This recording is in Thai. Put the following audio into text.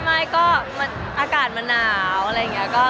ไม่ก็อากาศมันหนาวอะไรอย่างนี้